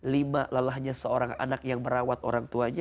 lima lelahnya seorang anak yang merawat orang tuanya